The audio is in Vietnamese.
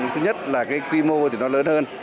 thứ nhất là cái quy mô thì nó lớn hơn